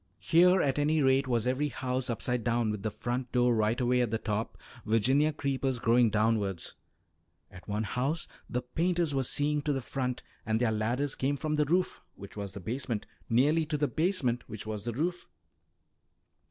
Here at any rate was every house upside down with the front door right away at the top, Virginia creepers growing downwards; at one house the painters were seeing to the front and their ladders came from the roof (which was the basement) nearly to the basement (which was the roof).